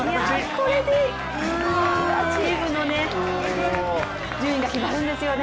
これでチームの順位が決まるんですよね。